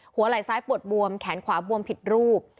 หัวไหล่ซ้ายปวดบวมแขนขวาบวมผิดรูป